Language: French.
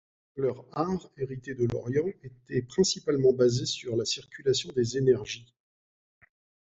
Leur art, hérité de l’Orient, était principalement basé sur la circulation des énergies.